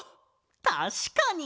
たしかに！